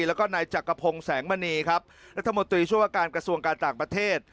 แล้วก็นายจักรพงศ์แสงมณีครับรัฐมนตรีช่วยว่าการกระทรวงการต่างประเทศ